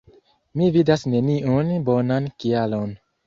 Mi vidas neniun bonan kialon...